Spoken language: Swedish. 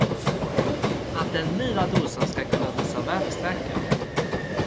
Att den lilla dosan ska kunna visa väderstrecken.